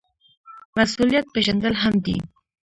مسوولیت پیژندل مهم دي